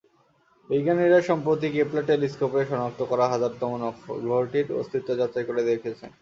বিজ্ঞানীরা সম্প্রতি কেপলার টেলিস্কোপের শনাক্ত করা হাজারতম গ্রহটির অস্তিত্ব যাচাই করে দেখেছেন।